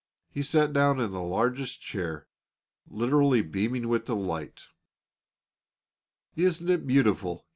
He sat down in the largest chair, literally beaming with delight. "Isn't it beautiful?"